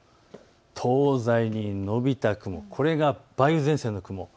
東西に延びた雲、これが梅雨前線の雲。